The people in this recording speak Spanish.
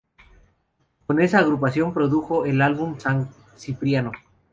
Con esa agrupación produjo el álbum San Cipriano.